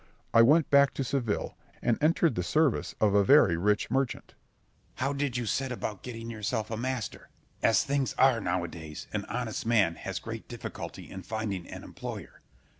I went back to Seville, and entered the service of a very rich merchant. Scip. How did you set about getting yourself a master? As things are now a days, an honest man has great difficulty in finding an employer.